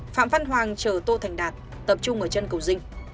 phạm văn hoàng chở tô thành đạt tập trung ở chân cầu dinh